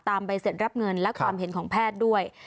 ใบเสร็จรับเงินและความเห็นของแพทย์ด้วย